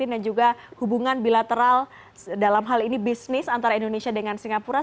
dan juga hubungan bilateral dalam hal ini bisnis antara indonesia dengan singapura